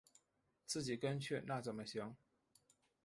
自己跟去那怎么行